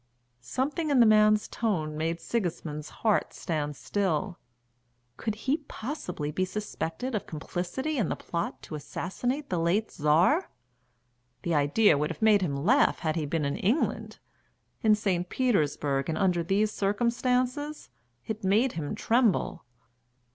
Something in the man's tone made Sigismund's heart stand still. Could he possibly be suspected of complicity in the plot to assassinate the late Czar? The idea would have made him laugh had he been in England. In St. Petersburg, and under these circumstances, it made him tremble.